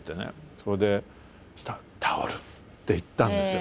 それでそしたら「タオル」って言ったんですよ。